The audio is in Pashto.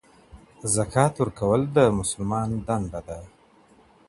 زکات ورکول د مسلمان دنده ده.